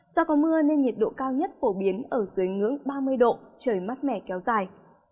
do có mưa nên nhiệt độ cao nhất phổ biến ở dưới ngưỡng ba mươi độ trời mát mẻ kéo dài